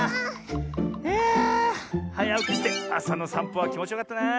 いやはやおきしてあさのさんぽはきもちよかったな。